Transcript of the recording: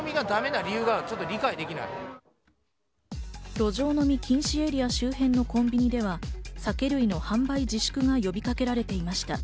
路上飲み禁止エリア周辺のコンビニでは酒類の販売自粛が呼びかけられていました。